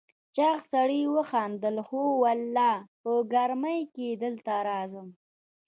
چاغ سړي وخندل: هو والله، په ګرمۍ کې دلته راځم.